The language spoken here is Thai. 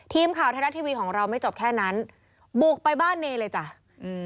ทีมข่าวไทยรัฐทีวีของเราไม่จบแค่นั้นบุกไปบ้านเนเลยจ้ะอืม